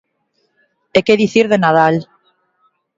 E que dicir de Nadal.